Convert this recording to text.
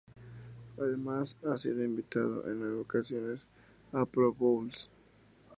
Además ha sido invitado en nueve ocasiones a Pro Bowls.